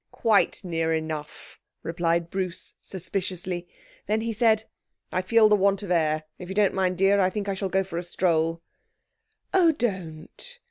'Quite near enough,' replied Bruce suspiciously. Then he said, 'I feel the want of air. If you don't mind, dear, I think I shall go for a stroll.' 'Oh, don't!'